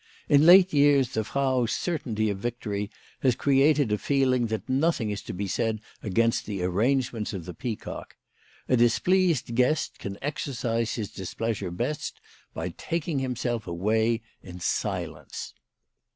In late years the Frau's certainty of victory has created a feeling that nothing is to be said against the arrangements of the Peacock. A displeased guest can exercise his displeasure best by taking himself away in silence.